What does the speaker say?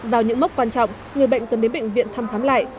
vào những mốc quan trọng người bệnh cần đến bệnh viện thăm khám lại